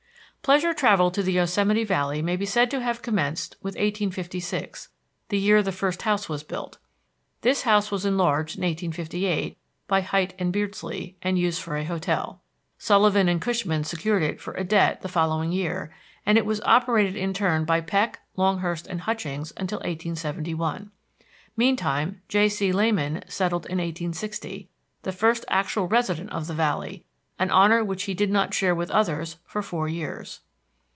Pleasure travel to the Yosemite Valley may be said to have commenced with 1856, the year the first house was built. This house was enlarged in 1858 by Hite and Beardsley and used for a hotel. Sullivan and Cushman secured it for a debt the following year, and it was operated in turn by Peck, Longhurst, and Hutchings until 1871. Meantime J.C. Lamon settled in 1860, the first actual resident of the valley, an honor which he did not share with others for four years.